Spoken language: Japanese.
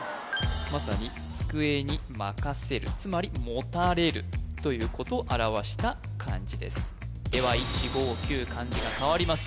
まさに机に任せるつまり凭れるということを表した漢字ですでは１５９漢字が替わります